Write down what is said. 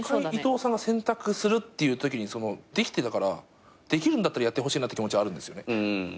１回伊藤さんが洗濯するっていうときにできてたからできるんだったらやってほしいなって気持ちはあるんですよね。